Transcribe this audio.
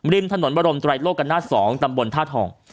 ริมถนนบรมตรายโลกกันหน้า๒ตำบลท่าทอง